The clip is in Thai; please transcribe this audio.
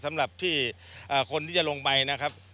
สำหรับที่คนที่จะลงไปนะครับ